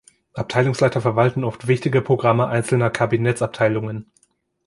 Abteilungsleiter verwalten oft wichtige Programme einzelner Kabinettsabteilungen.